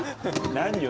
何よ？